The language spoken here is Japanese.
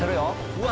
うわ